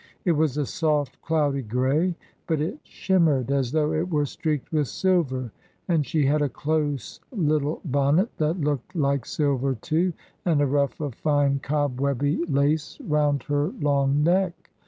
It was a soft, cloudy grey, but it shimmered as though it were streaked with silver, and she had a close little bonnet that looked like silver too, and a ruff of fine cobwebby lace round her long neck.